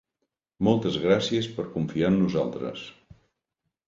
Moltes gràcies per confiar en nosaltres.